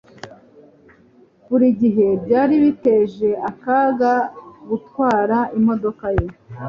Buri gihe byari biteje akaga gutwara imodoka ye